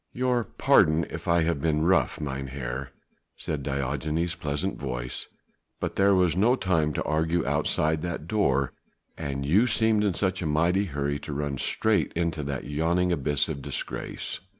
"Your pardon if I have been rough, mynheer," said Diogenes' pleasant voice, "but there was no time to argue outside that door and you seemed in such a mighty hurry to run straight into that yawning abyss of disgrace."